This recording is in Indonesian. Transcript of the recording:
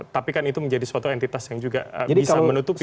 tapi kan itu menjadi suatu entitas yang juga bisa menutupi